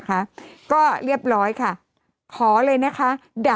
มันเหมือนอ่ะ